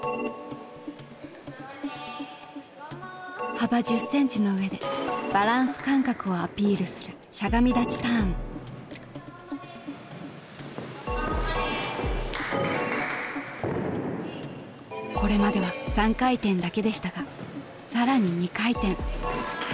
幅１０センチの上でバランス感覚をアピールするこれまでは３回転だけでしたが更に２回転。